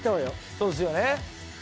そうですよね